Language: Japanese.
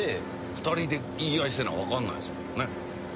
２人で言い合いせな分かんないですからね。